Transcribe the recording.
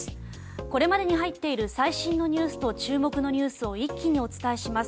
これまでに入っている最新ニュースと注目ニュースを一気にお伝えします。